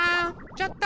ちょっと！